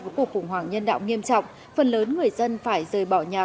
với cuộc khủng hoảng nhân đạo nghiêm trọng phần lớn người dân phải rời bỏ nhà